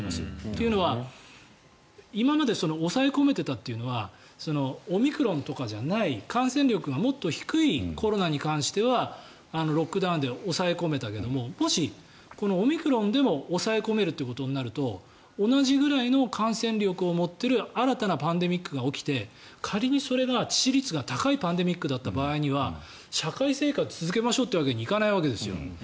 というのは今まで抑え込めていたというのはオミクロンとかじゃない感染力がもっと低いコロナに関してはロックダウンで抑え込めたけどもし、オミクロンでも抑え込めるということになると同じぐらいの感染力を持っている新たなパンデミックが起きて仮にそれが致死率が高いパンデミックだった場合には社会生活続けましょうというわけにはいかないわけですよ。